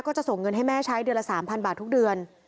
ก็จะส่งเงินให้แม่ใช้เดือนละ๓๐๐บาททุกเดือน